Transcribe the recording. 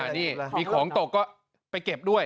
นี่มีของตกก็ไปเก็บด้วย